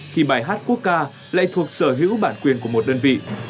thì bài hát quốc ca lại thuộc sở hữu bản quyền của một đơn vị